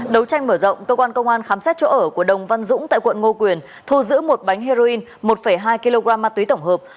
đấu tranh mở rộng cơ quan công an khám xét chỗ ở của đồng văn dũng tại quận ngô quyền thu giữ một bánh heroin một hai kg ma túy tổng hợp